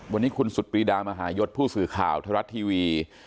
วันนี้คุณสุดปรีดามหายศผู้สื่อข่าวไทยรัฐทีวี